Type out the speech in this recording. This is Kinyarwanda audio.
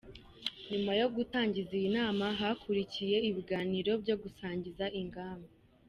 Nyuma yo gutangiza iyi nama hakurikiye ibiganiro byo gusangizanya ingamba